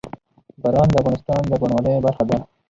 باران د افغانستان د بڼوالۍ برخه ده.